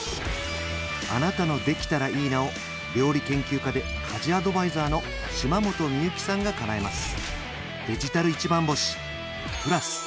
あなたの「できたらいいな」を料理研究家で家事アドバイザーの島本美由紀さんがかなえます